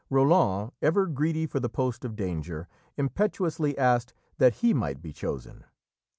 Roland, ever greedy for the post of danger, impetuously asked that he might be chosen.